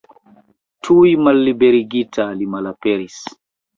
Tuj malliberigita, li malaperis.